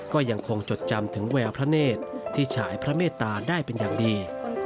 ก็ยังคงจดจำถึงแววพระเนธที่ฉายพระเมตตาได้เป็นอย่างดี